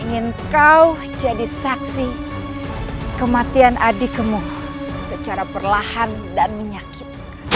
ingin kau jadi saksi kematian adikmu secara perlahan dan menyakit